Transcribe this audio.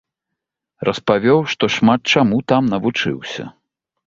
Распавёў, што шмат чаму там навучыўся.